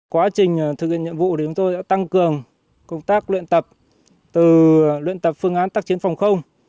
quá trình thực hiện nhiệm vụ thì chúng tôi đã tăng cường công tác luyện tập từ luyện tập phương án tác chiến phòng không